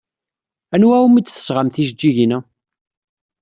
Anwa umi d-tesɣam tijeǧǧigin-a?